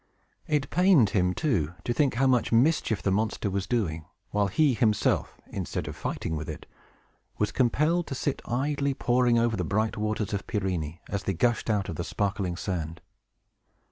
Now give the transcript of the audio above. It pained him, too, to think how much mischief the monster was doing, while he himself, instead of fighting with it, was compelled to sit idly poring over the bright waters of Pirene, as they gushed out of the sparkling sand.